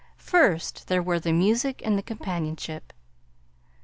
First, there were the music and the companionship.